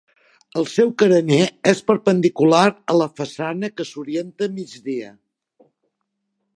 El seu carener és perpendicular a la façana que s'orienta a migdia.